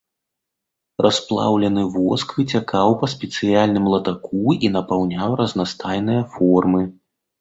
Расплаўлены воск выцякаў па спецыяльным латаку і напаўняў разнастайныя формы.